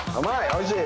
おいしい。